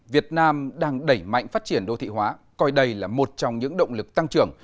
việt nam đang đẩy mạnh phát triển đô thị hóa coi đây là một trong những động lực tăng trưởng